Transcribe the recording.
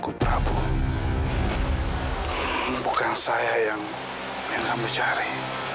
aku prabu bukan saya yang kamu cari